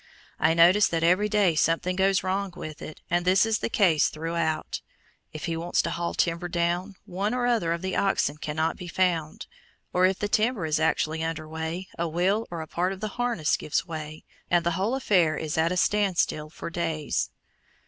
I notice that every day something goes wrong with it, and this is the case throughout. If he wants to haul timber down, one or other of the oxen cannot be found; or if the timber is actually under way, a wheel or a part of the harness gives way, and the whole affair is at a standstill for days.